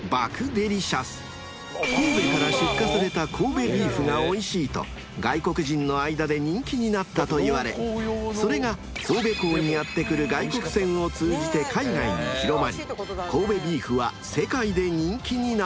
［神戸から出荷された神戸ビーフがおいしいと外国人の間で人気になったといわれそれが神戸港にやって来る外国船を通じて海外に広まり神戸ビーフは世界で人気になったという］